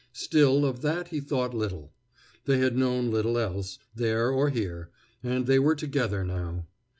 Still, of that he thought little. They had known little else, there or here, and they were together now.